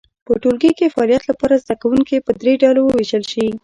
په ټولګي کې فعالیت لپاره زده کوونکي په درې ډلو وویشل شي.